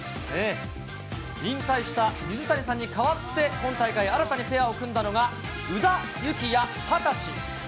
引退した水谷さんに代わって今大会、新たにペアを組んだのが、宇田幸矢２０歳。